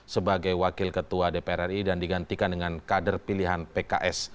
sebagai wakil ketua dpr ri dan digantikan dengan kader pilihan pks